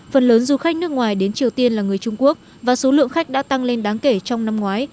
phần lớn du khách nước ngoài đến triều tiên là người trung quốc và số lượng khách đã tăng lên đáng kể trong năm ngoái